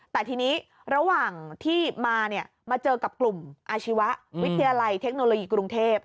แต่ทีนี้ระหว่างที่มาเนี่ยมาเจอกับกลุ่มอาชีวะวิทยาลัยเทคโนโลยีกรุงเทพ